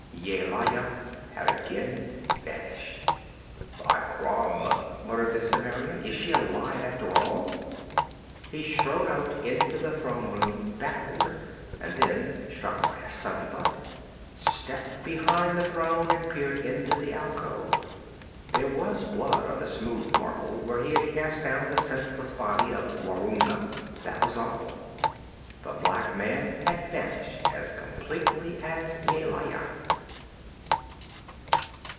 Yelaya had again vanished. 'By Crom!' muttered the Cimmerian. 'Is she alive, after all?' He strode out into the throne room, baffled, and then, struck by a sudden thought, stepped behind the throne and peered into the alcove. There was blood on the smooth marble where he had cast down the senseless body of Gwarunga that was all. The black man had vanished as completely as Yelaya.